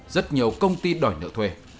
rất nhiều công ty đòi nợ thuê